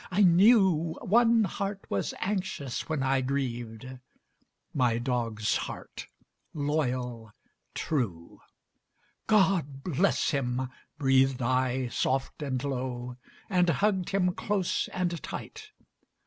I knew One heart was anxious when I grieved My dog's heart, loyal, true. "God bless him," breathed I soft and low, And hugged him close and tight.